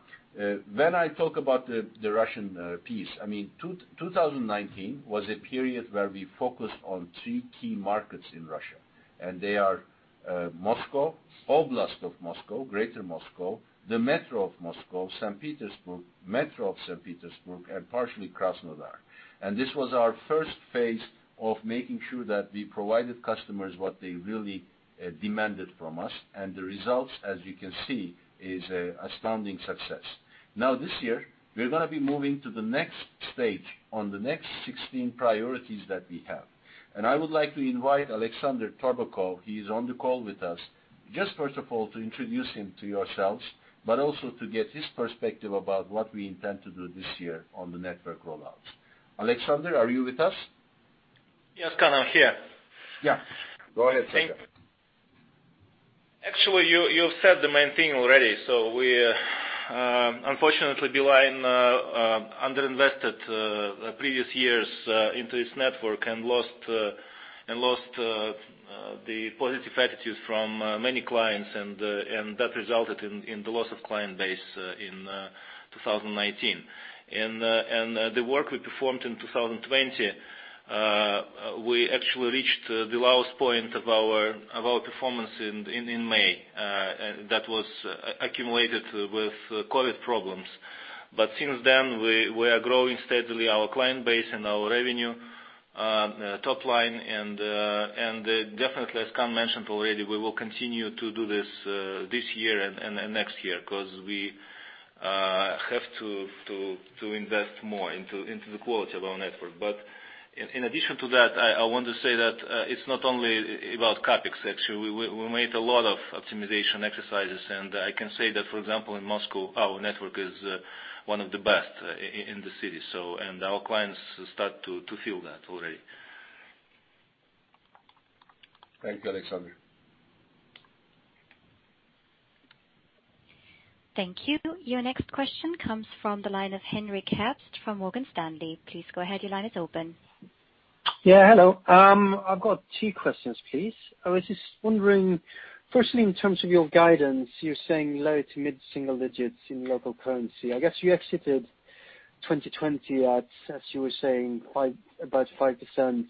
when I talk about the Russian piece, 2019 was a period where we focused on three key markets in Russia, and they are Moscow, Oblast of Moscow, Greater Moscow, the Metro of Moscow, St. Petersburg, Metro of St. Petersburg, and partially Krasnodar. This was our first phase of making sure that we provided customers what they really demanded from us, and the results, as you can see, is a astounding success. This year, we're going to be moving to the next stage on the next 16 priorities that we have. I would like to invite Alexander Torbakhov, he is on the call with us, just first of all, to introduce him to yourselves, but also to get his perspective about what we intend to do this year on the network rollouts. Alexander, are you with us? Yes, Kaan. I'm here. Yeah, go ahead, Alexander. Actually, you've said the main thing already. Unfortunately, Beeline under-invested previous years into its network and lost the positive attitudes from many clients, and that resulted in the loss of client base in 2019. The work we performed in 2020, we actually reached the lowest point of our performance in May, that was accumulated with COVID problems. Since then, we are growing steadily our client base and our revenue top line, and definitely, as Kaan mentioned already, we will continue to do this this year and next year, because we have to invest more into the quality of our network. In addition to that, I want to say that it's not only about CapEx. Actually, we made a lot of optimization exercises, and I can say that, for example, in Moscow, our network is one of the best in the city. Our clients start to feel that already. Thank you, Alexander. Thank you. Your next question comes from the line of Henry Kest from Morgan Stanley. Please go ahead. Your line is open. Yeah, hello. I've got two questions, please. I was just wondering, firstly, in terms of your guidance, you're saying low-to-mid single digits in local currency. I guess you exited 2020 at, as you were saying, about 5%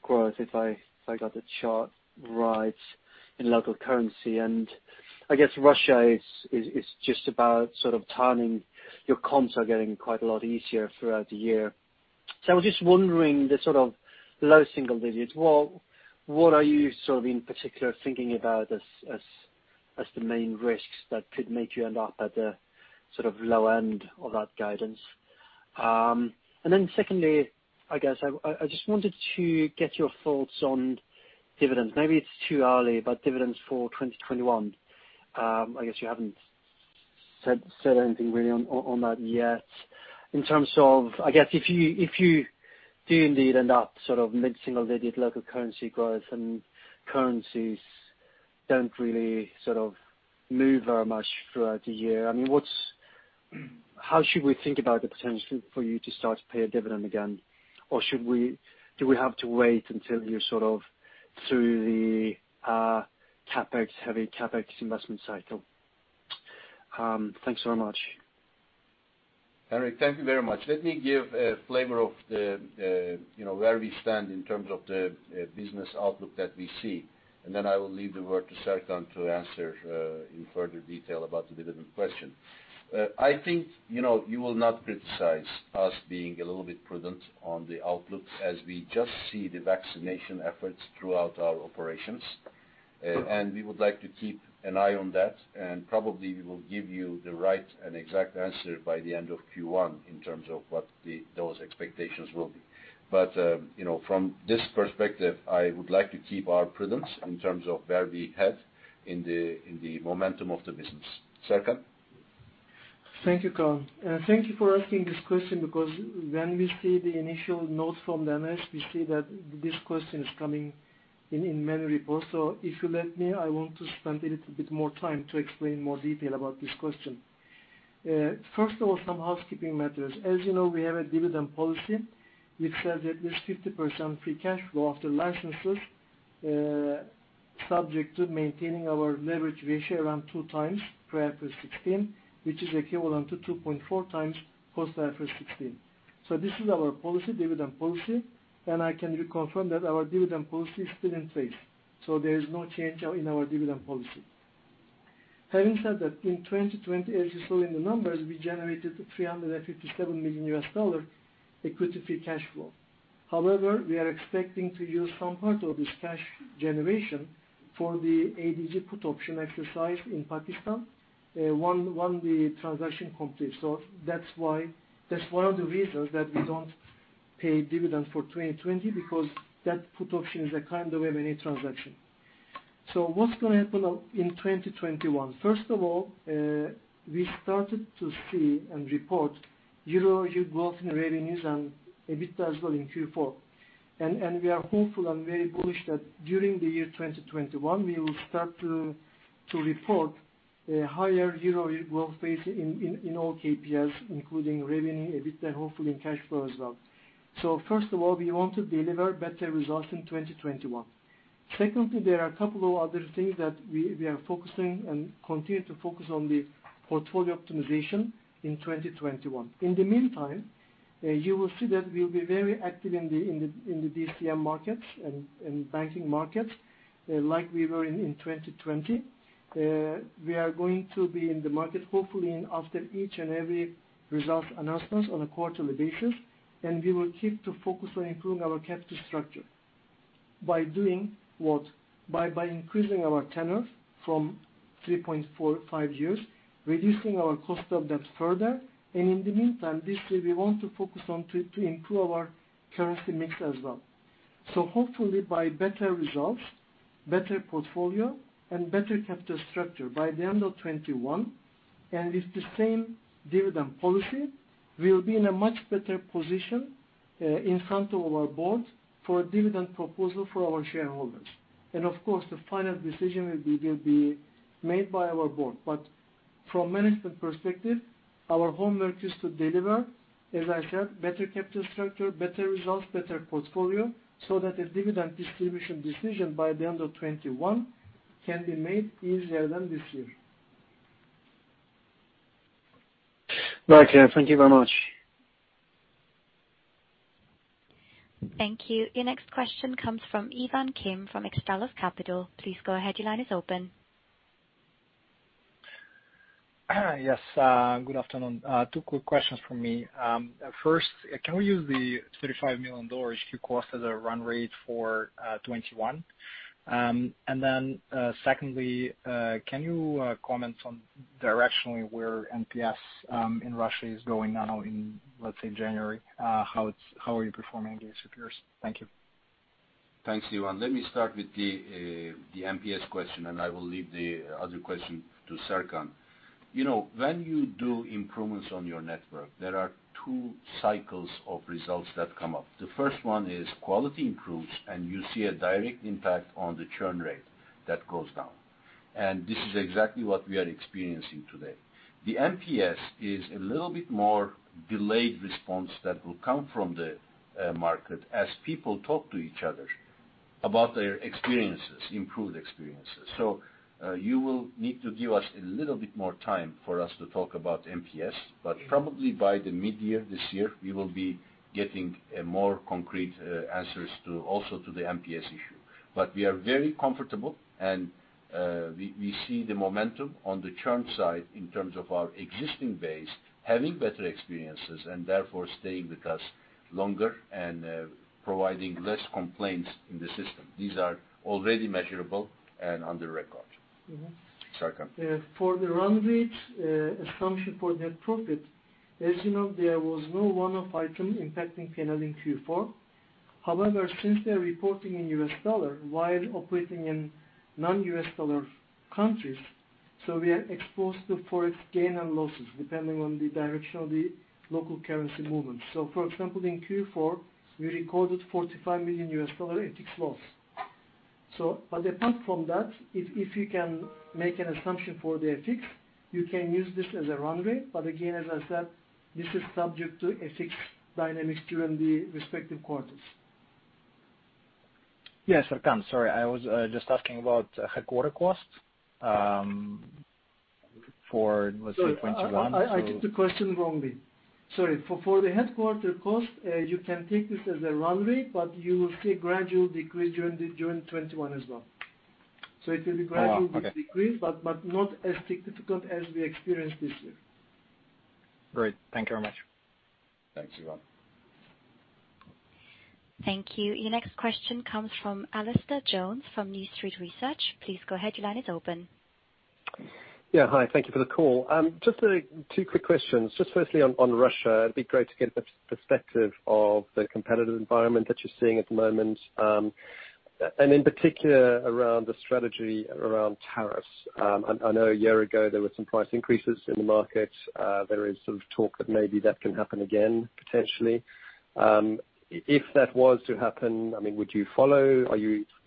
growth, if I got the chart right, in local currency. I guess Russia is just about sort of turning. Your comps are getting quite a lot easier throughout the year. I was just wondering the sort of low single digits, what are you sort of in particular thinking about as the main risks that could make you end up at the sort of low end of that guidance? Secondly, I guess I just wanted to get your thoughts on dividends. Maybe it's too early, but dividends for 2021. I guess you haven't said anything really on that yet. In terms of, I guess if you do indeed end up sort of mid single-digit local currency growth and currencies don't really sort of move very much throughout the year, how should we think about the potential for you to start to pay a dividend again? Do we have to wait until you're sort of through the CapEx, heavy CapEx investment cycle? Thanks so much. Henry, thank you very much. Let me give a flavor of where we stand in terms of the business outlook that we see, and then I will leave the word to Serkan to answer in further detail about the dividend question. I think you will not criticize us being a little bit prudent on the outlook as we just see the vaccination efforts throughout our operations. Sure. We would like to keep an eye on that, and probably we will give you the right and exact answer by the end of Q1 in terms of what those expectations will be. From this perspective, I would like to keep our prudence in terms of where we head in the momentum of the business. Serkan? Thank you, Kaan. Thank you for asking this question because when we see the initial notes from the MS, we see that this question is coming in many reports. If you let me, I want to spend a little bit more time to explain more detail about this question. First of all, some housekeeping matters. As you know, we have a dividend policy which says at least 50% free cash flow after licenses, subject to maintaining our leverage ratio around two times pre IFRS 16, which is equivalent to 2.4 times post IFRS 16. This is our policy, dividend policy, and I can reconfirm that our dividend policy is still in place. There is no change in our dividend policy. Having said that, in 2020, as you saw in the numbers, we generated $357 million equity free cash flow. However, we are expecting to use some part of this cash generation for the ADG put option exercise in Pakistan when the transaction completes. That's one of the reasons that we don't pay dividend for 2020, because that put option is a kind of M&A transaction. What's going to happen in 2021? First of all, we started to see and report year-over-year growth in revenues and EBITDA as well in Q4. We are hopeful and very bullish that during the year 2021, we will start to report a higher year-over-year growth phase in all KPIs, including revenue, EBITDA, hopefully in cash flow as well. First of all, we want to deliver better results in 2021. Secondly, there are a couple of other things that we are focusing and continue to focus on the portfolio optimization in 2021. In the meantime, you will see that we'll be very active in the DCM markets and banking markets like we were in 2020. We are going to be in the market, hopefully, after each and every results announcement on a quarterly basis. We will keep to focus on improving our capital structure. By doing what? By increasing our tenor from 3.5 years, reducing our cost of debt further, and in the meantime, this year we want to focus on to improve our currency mix as well. Hopefully by better results, better portfolio, and better capital structure by the end of 2021, and with the same dividend policy, we'll be in a much better position in front of our board for a dividend proposal for our shareholders. Of course, the final decision will be made by our board. From management perspective, our homework is to deliver, as I said, better capital structure, better results, better portfolio, so that a dividend distribution decision by the end of 2021 can be made easier than this year. Right. Thank you very much. Thank you. Your next question comes from Ivan Kim from Xtellus Capital. Please go ahead. Your line is open. Yes, good afternoon. Two quick questions from me. First, can we use the $35 million to cost as a run rate for 2021? Secondly, can you comment on directionally where NPS in Russia is going now in, let's say, January? How are you performing against your peers? Thank you. Thanks, Ivan. Let me start with the NPS question. I will leave the other question to Serkan. When you do improvements on your network, there are two cycles of results that come up. The first one is quality improves. You see a direct impact on the churn rate that goes down. This is exactly what we are experiencing today. The NPS is a little bit more delayed response that will come from the market as people talk to each other about their experiences, improved experiences. You will need to give us a little bit more time for us to talk about NPS, but probably by the midyear this year, we will be getting more concrete answers also to the NPS issue. We are very comfortable, and we see the momentum on the churn side in terms of our existing base having better experiences and therefore staying with us longer and providing less complaints in the system. These are already measurable and on the record. Serkan. For the run rate assumption for net profit, as you know, there was no one-off item impacting P&L in Q4. However, since they're reporting in US dollar while operating in non-US dollar countries, we are exposed to forex gain and losses depending on the direction of the local currency movement. For example, in Q4, we recorded $45 million in forex loss. Apart from that, if you can make an assumption for the FX, you can use this as a run rate. Again, as I said, this is subject to FX dynamics during the respective quarters. Yeah, Serkan, sorry. I was just asking about headquarter costs for, let's say, 2021. Sorry, I took the question wrongly. Sorry. For the headquarters cost, you can take this as a run rate, but you will see gradual decrease during 2021 as well. Oh, wow, okay. Decrease, but not as significant as we experienced this year. Great. Thank you very much. Thanks, Ivan. Thank you. Your next question comes from Alastair Jones from New Street Research. Please go ahead. Your line is open. Yeah. Hi, thank you for the call. Just two quick questions. Just firstly on Russia, it'd be great to get the perspective of the competitive environment that you're seeing at the moment, and in particular around the strategy around tariffs. I know a year ago there were some price increases in the market. There is some talk that maybe that can happen again, potentially. If that was to happen, would you follow? Do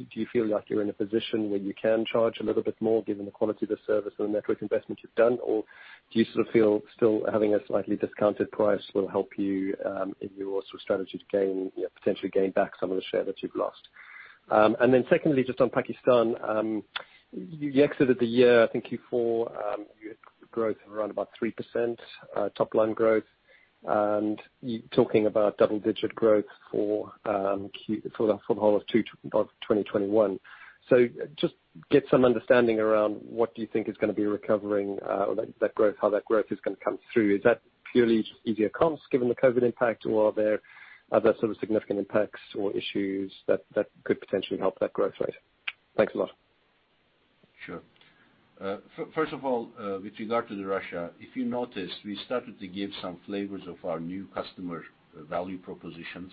you feel like you're in a position where you can charge a little bit more given the quality of the service or the network investment you've done? Or do you feel still having a slightly discounted price will help you in your strategy to potentially gain back some of the share that you've lost? Secondly, just on Pakistan. You exited the year, I think Q4, you had growth of around about 3%, top line growth, and you talking about double-digit growth for the whole of 2021. Just to get some understanding around what you think is going to be recovering that growth, how that growth is going to come through. Is that purely easier costs given the COVID impact, or are there other sort of significant impacts or issues that could potentially help that growth rate? Thanks a lot. Sure. First of all, with regard to Russia, if you noticed, we started to give some flavors of our new customer value propositions.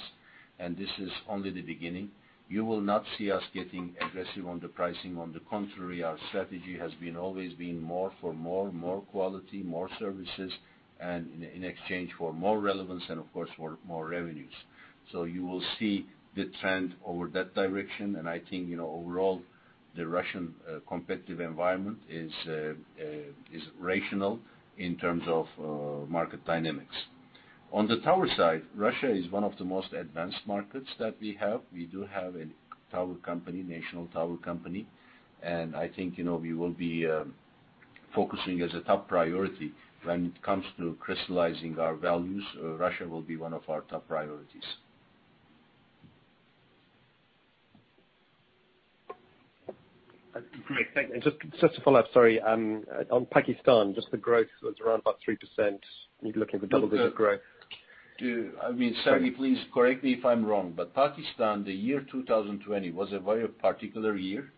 This is only the beginning. You will not see us getting aggressive on the pricing. On the contrary, our strategy has always been more for more, more quality, more services, and in exchange for more relevance and of course, more revenues. You will see the trend over that direction. I think overall, the Russian competitive environment is rational in terms of market dynamics. On the tower side, Russia is one of the most advanced markets that we have. We do have a tower company, national tower company. I think we will be focusing as a top priority when it comes to crystallizing our values, Russia will be one of our top priorities. Great. Thank you. Just to follow up, sorry, on Pakistan, just the growth was around about 3%. You're looking for double-digit growth. Sergi, please correct me if I'm wrong, but Pakistan, the year 2020 was a very particular year.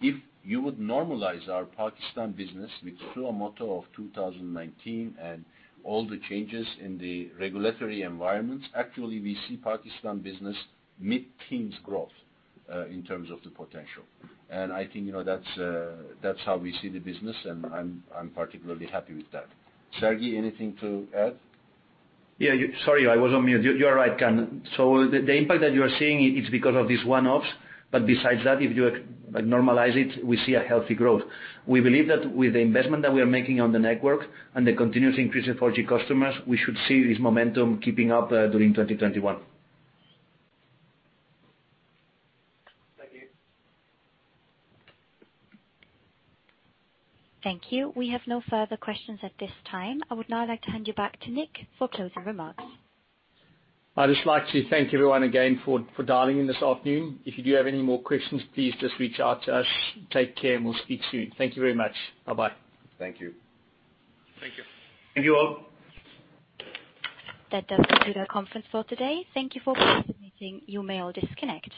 If you would normalize our Pakistan business with full model of 2019 and all the changes in the regulatory environments, actually we see Pakistan business mid-teens growth in terms of the potential. I think that's how we see the business, and I'm particularly happy with that. Sergi, anything to add? Yeah, sorry, I was on mute. You are right, Kaan. The impact that you are seeing, it's because of these one-offs. Besides that, if you normalize it, we see a healthy growth. We believe that with the investment that we are making on the network and the continuous increase in 4G customers, we should see this momentum keeping up during 2021. Thank you. Thank you. We have no further questions at this time. I would now like to hand you back to Nik for closing remarks. I'd just like to thank everyone again for dialing in this afternoon. If you do have any more questions, please just reach out to us. Take care, and we'll speak soon. Thank you very much. Bye-bye. Thank you. Thank you. Thank you all. That does conclude our conference for today. Thank you for participating. You may all disconnect.